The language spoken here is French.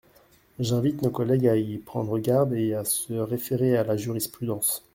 J’invite nos collègues à y prendre garde et à se référer à la jurisprudence.